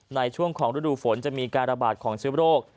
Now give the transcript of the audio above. ในช่วงของฤดูฝนจะมีการระบาดของเชื้อโรค